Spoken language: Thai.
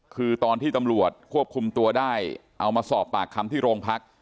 คือตอนที่ตำรวจควบคุมตัวได้เอามาสอบปากคำที่โรงพัก